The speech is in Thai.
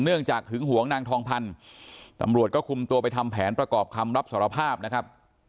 เนื่องจากหึงหวงนางทองพันธุ์ตำรวจก็คุมตัวไปทำแผนประกอบคำรับสารภาพนะครับ